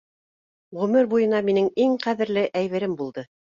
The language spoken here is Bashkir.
Ғүмер буйына минең иң ҡәҙерле әйберем булды.